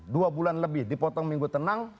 dua bulan lebih dipotong minggu tenang